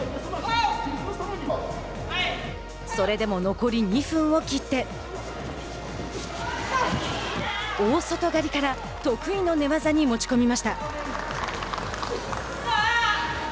それでも残り２分を切って大外刈りから得意の寝技に持ち込みました。